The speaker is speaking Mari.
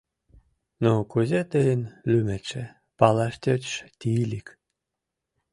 — Ну, кузе тыйын лӱметше? — палаш тӧчыш Тиилик.